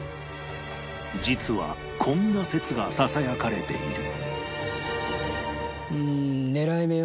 実はこんな説がささやかれている